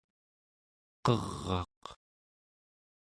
qer'aq